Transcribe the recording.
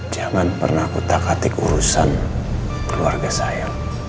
jangan pernah kutak atik urusan keluarga saya